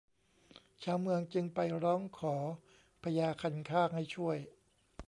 ชาวเมืองจึงไปร้องขอพญาคันคากให้ช่วย